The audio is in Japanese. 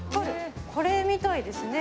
これみたいですね。